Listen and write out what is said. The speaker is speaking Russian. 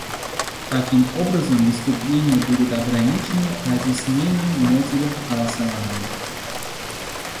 Таким образом, выступления будут ограничены разъяснением мотивов голосования.